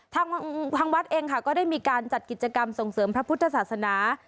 ทางวัดเองค่ะก็ได้มีการจัดกิจกรรมส่งเสริมพระพุทธศาสนา